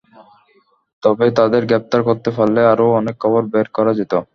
তবে তাঁদের গ্রেপ্তার করতে পারলে আরও অনেক খবর বের করা যেত।